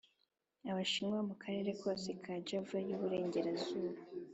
Abashinwa mu karere kose ka Java y i Burengerazuba